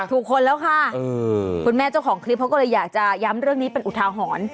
คนแล้วค่ะคุณแม่เจ้าของคลิปเขาก็เลยอยากจะย้ำเรื่องนี้เป็นอุทาหรณ์